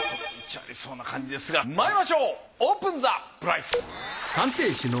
ありそうな感じですがまいりましょうオープンザプライス。